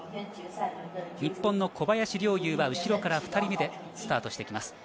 日本の小林陵侑は後ろから２人目でスタートしてきます。